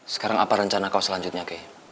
sekarang apa rencana kau selanjutnya